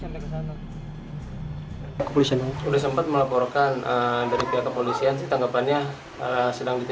aku bisa mencoba sempat melakukan penyelamatan yang menarik dan mencanuhkan kemampuan penyelamatan selama sepuluh menit